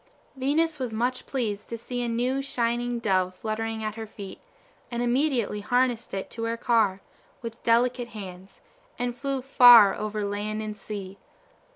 Venus was much pleased to see a new, shining dove fluttering at her feet, and immediately harnessed it to her car, with delicate hands, and flew far over land and sea.